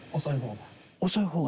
遅い方が？